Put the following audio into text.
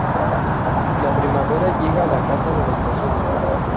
La primavera llega a la casa de los Kasumi